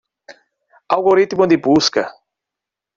Algoritmo de busca.